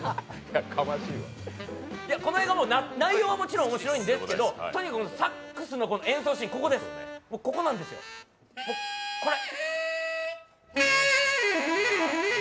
この映画、内容ももちろん面白いんですけどとにかくサックスの演奏シーン、ここなんですよ、これ。